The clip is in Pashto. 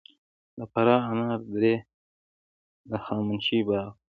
د فراه انار درې د هخامنشي باغ دی